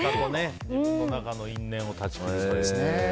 自分の中の因縁を断ち切るという。